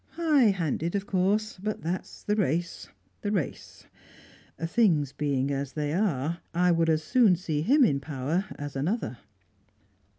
High handed, of course; but that's the race the race. Things being as they are, I would as soon see him in power as another."